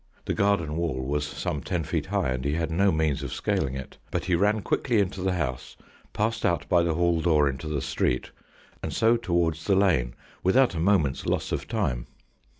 The garden wall was some ten feet high and he had no means of scaling it. But he ran quickly into the house, passed out by the hall door into the street, and so towards the lane without a moment's loss of time.